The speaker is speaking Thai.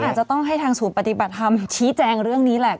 อาจจะต้องให้ทางศูนย์ปฏิบัติธรรมชี้แจงเรื่องนี้แหละ